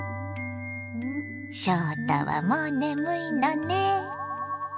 翔太はもう眠いのね。